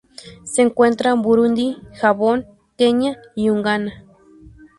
Se encuentra en Burundi, Gabón, Kenia y Uganda.